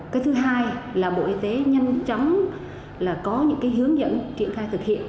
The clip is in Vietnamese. cái thứ hai là bộ y tế nhanh chóng có những cái hướng dẫn triển khai thực hiện